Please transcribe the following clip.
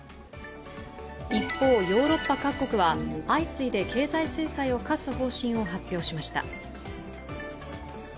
一方、ヨーロッパ各国は相次いで経済制裁を科す方針を発表しました。